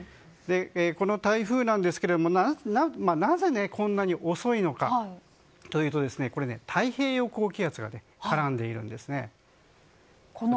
この台風ですがなぜ、こんなに遅いのかというと太平洋高気圧が絡んでいるんです。